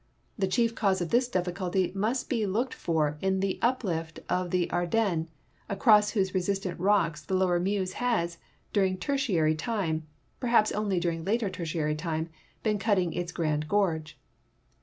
The chief cause of this difficulty must be looked for in the u})lift of the Ardennes, across whose resistant rocks the lower Meuse has, during Tertiaiy time (perhaps only during later Tertiary time), been cutting its grand gorge.